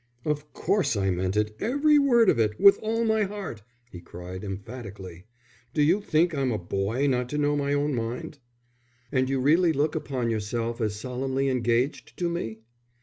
"Of course I meant it, every word of it, with all my heart," he cried, emphatically. "Do you think I'm a boy not to know my own mind?" "And you really look upon yourself as solemnly engaged to me?"